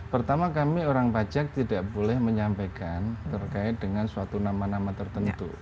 pertama kami orang pajak tidak boleh menyampaikan terkait dengan suatu nama nama tertentu